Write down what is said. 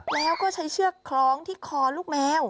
แล้วก็ใช้เชือกคล้องที่คอลูกแมว